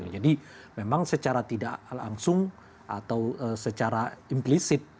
jadi memang secara tidak langsung atau secara implisit